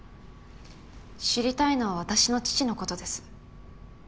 知りたいのは私の父のことです。